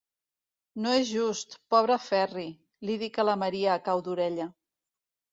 No és just, pobre Ferri –li dic a la Maria a cau d'orella–.